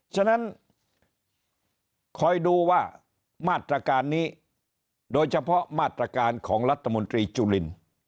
ฉะนั้นคอยดูว่ามาตรการนี้โดยเฉพาะมาตรการของรัฐมนตรีจุลิน